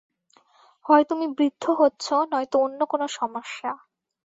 হয় তুমি বৃদ্ধ হচ্ছো নয়তো অন্য কোন সমস্যা।